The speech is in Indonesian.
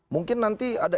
mungkin nanti ada